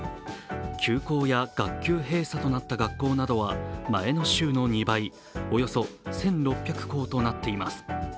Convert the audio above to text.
休校や学級閉鎖となった学校などは前の週の２倍、およそ１６００校となっています。